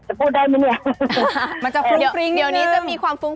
จะพูดได้เมื่อนี้มันจะเรียกเหรออยู่นี่จะมีความถึง